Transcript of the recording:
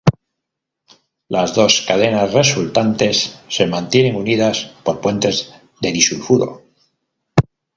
Las dos cadenas resultantes se mantienen unidas por puentes de disulfuro.